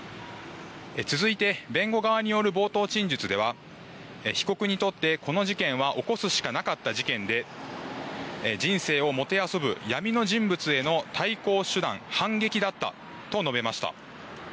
続いて、弁護側による冒頭陳述では、被告にとってこの事件は起こすしかなかった事件で、人生をもてあそぶ闇の人物への対抗手段、反撃だったと述べました。